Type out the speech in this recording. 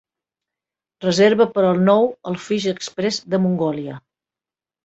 reserva per a nou al Fish Express de Mongòlia